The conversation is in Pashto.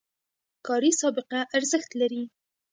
کاري سابقه ارزښت لري